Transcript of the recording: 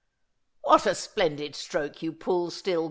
' What a splendid stroke you pull still.